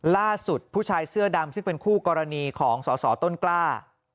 ผู้ชายเสื้อดำซึ่งเป็นคู่กรณีของสสต้นกล้า